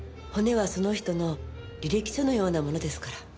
骨はその人の履歴書のようなものですから。